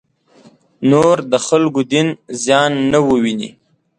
نور د خلکو دین زیان نه وویني.